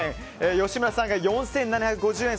吉村さんが４７５０円。